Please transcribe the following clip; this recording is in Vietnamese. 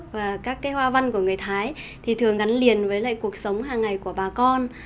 và các cái hoa văn của người thái thì thường gắn liền với lại cuộc sống hàng ngày của bà con